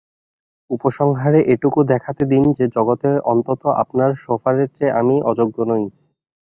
উপসংহারে এটুকু দেখাতে দিন যে, জগতে অন্তত আপনার শোফারের চেয়ে আমি অযোগ্য নই।